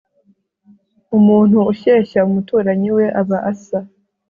umuntu ushyeshya umuturanyi we aba asa